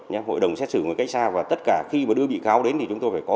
hội đồng xét xử ngồi cách xa và tất cả khi đưa bị cáo đến thì chúng tôi phải có